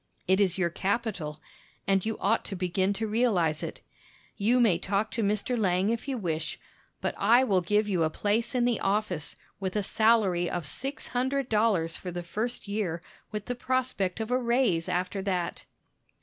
It is your capital, and you ought to begin to realize it. You may talk to Mr. Lang if you wish, but I will give you a place in the office, with a salary of six hundred dollars for the first year, with the prospect of a raise after that."